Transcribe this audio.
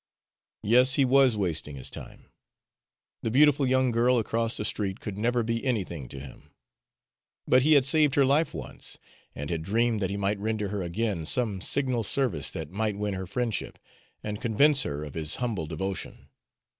Yes, he was wasting his time. The beautiful young girl across the street could never be anything to him. But he had saved her life once, and had dreamed that he might render her again some signal service that might win her friendship, and convince her of his humble devotion.